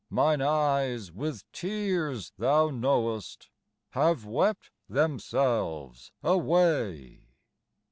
Mine eyes with tears, thou knowest, Have wept themselves away."